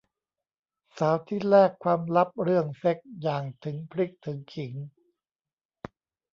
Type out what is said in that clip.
สาวที่แลกความลับเรื่องเซ็กส์อย่างถึงพริกถึงขิง